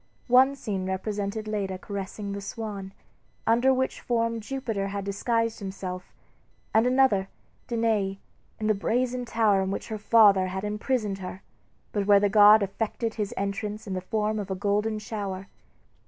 One scene represented Leda caressing the swan, under which form Jupiter had disguised himself; and another, Danae, in the brazen tower in which her father had imprisoned her, but where the god effected his entrance in the form of a golden shower.